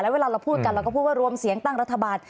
เวลาเราพูดกันเราก็พูดว่ารวมเสียงตั้งรัฐบาล